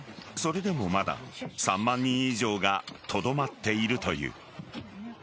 それでもまだ３万人以上がとどまっているという。